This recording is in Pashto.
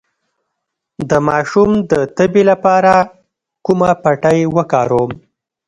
د ماشوم د تبې لپاره کومه پټۍ وکاروم؟